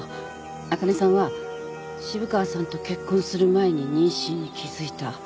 あかねさんは渋川さんと結婚する前に妊娠に気付いた。